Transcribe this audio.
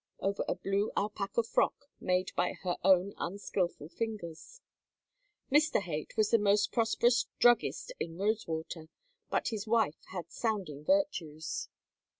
over a blue alpaca frock made by her own unskilful fingers. Mr. Haight was the most prosperous druggist in Rosewater, but his wife had sounding virtues.